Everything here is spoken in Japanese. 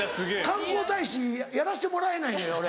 観光大使やらせてもらえないのよ俺。